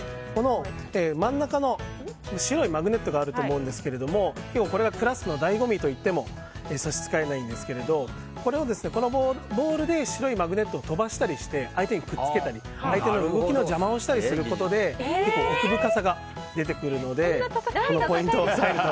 真ん中の白いマグネットがあると思いますがこれがＫＬＡＳＫの醍醐味といっても差し支えないんですがボールで白いマグネットを飛ばしたりして相手にくっつけたり相手の動きの邪魔をしたりすることで奥深さが出てくるのでこのポイントを押さえると。